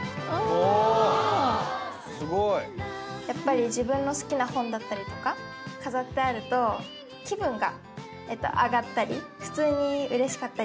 やっぱり自分の好きな本だったりとか飾ってあると気分が上がったり普通にうれしかったりするので。